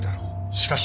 しかし！